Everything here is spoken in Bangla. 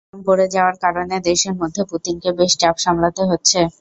তেলের দাম পড়ে যাওয়ার কারণে দেশের মধ্যে পুতিনকে বেশ চাপ সামলাতে হচ্ছে।